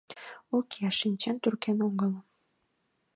Уке, шинчен туркен огыл.